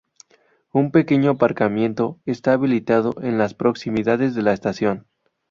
Un pequeño aparcamiento está habilitado en las proximidades de la estación.